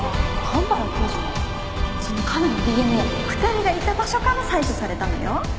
その亀のＤＮＡ２人がいた場所から採取されたのよ。